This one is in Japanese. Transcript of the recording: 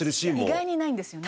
意外にないんですよね。